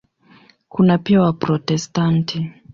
Kuna pia Waprotestanti.